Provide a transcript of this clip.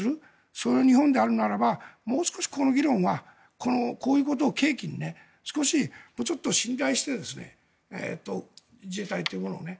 それを日本でやるならばもう少し日本はこういうことを契機に、少しもうちょっと信頼して自衛隊というものをね。